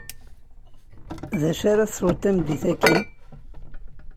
Dacu ara tesweḍ tameddit-aki?